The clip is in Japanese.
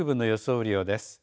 雨量です。